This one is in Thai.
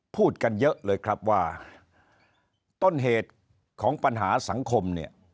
พูดกันเยอะเลยครับว่าต้นเหตุของปัญหาสังคมเนี่ย